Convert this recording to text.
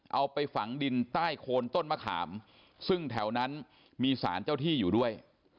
เอาไปฝังดินใต้โคนต้นมะขามซึ่งแถวนั้นมีสารเจ้าที่อยู่ด้วย